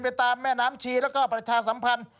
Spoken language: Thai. ตามแม่น้ำชีแล้วก็ประชาสัมพันธ์